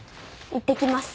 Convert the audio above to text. いってきます。